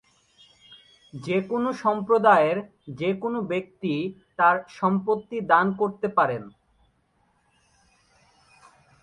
যে কোন সম্প্রদায়ের যে কোন ব্যক্তি তার সম্পত্তি দান করতে পারেন।